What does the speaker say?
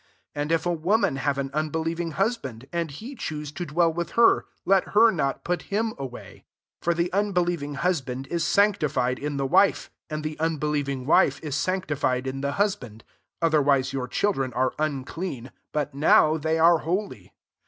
13 And if a wom^an have an unbe lieving husband, and he choose to dwell with her, let her not put him away. 14 F&r the un believing husband is sanctified in the wife, apd the unbelieving wife is sanctified in the husband; otherwise your children are ub cleaw ; but now they are holy.